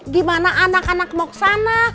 dimana anak anak mau kesana